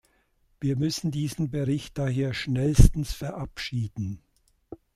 Wir müssen diesen Bericht daher schnellstens verabschieden.